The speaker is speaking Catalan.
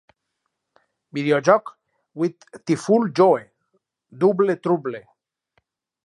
Videojoc Viewtiful Joe: Double Trouble!